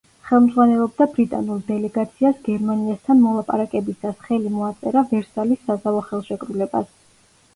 ხელმძღვანელობდა ბრიტანულ დელეგაციას გერმანიასთან მოლაპარაკებისას, ხელი მოაწერა ვერსალის საზავო ხელშეკრულებას.